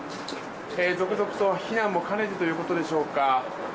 続々と避難も兼ねてということでしょうか。